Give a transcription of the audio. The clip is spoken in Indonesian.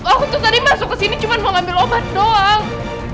aku tuh tadi masuk kesini cuma mau ambil obat doang